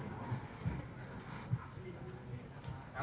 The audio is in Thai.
ขอขอบคุณหน่อยนะคะ